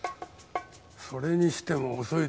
それにしても遅いですね